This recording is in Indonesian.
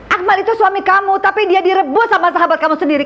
akmal itu suami kamu tapi dia direbus sama sahabat kamu sendiri